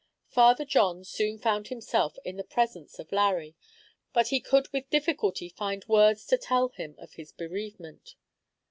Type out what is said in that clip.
Father John soon found himself in the presence of Larry; but he could with difficulty find words to tell him of his bereavement.